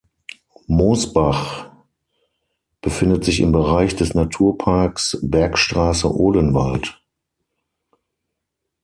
Mosbach befindet sich im Bereich des Naturparks Bergstraße-Odenwald.